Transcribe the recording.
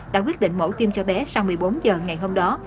đã quyết định mổ tiêm cho bé sau một mươi bốn giờ ngày hôm đó